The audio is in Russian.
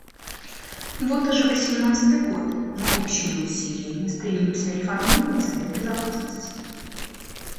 Вот уже восемнадцатый год мы общими усилиями стремимся реформировать Совет Безопасности.